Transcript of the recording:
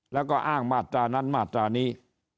แล้วก็อ้างมาตรานั้นมาตรานี้